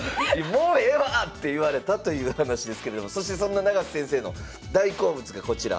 「もうええわ！」って言われたという話ですけれどもそしてそんな永瀬先生の大好物がこちら。